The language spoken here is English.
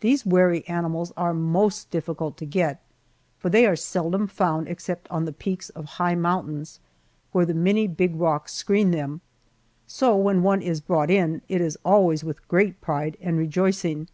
These wary animals are most difficult to get, for they are seldom found except on the peaks of high mountains, where the many big rocks screen them, so when one is brought in, it is always with great pride and rejoicing.